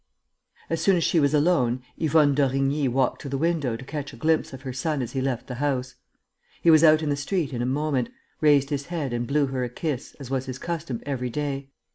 As soon as she was alone, Yvonne d'Origny walked to the window to catch a glimpse of her son as he left the house. He was out in the street in a moment, raised his head and blew her a kiss, as was his custom every day.